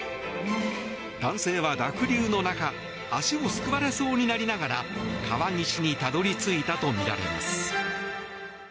男性は濁流の中足をすくわれそうになりながら川岸にたどり着いたとみられます。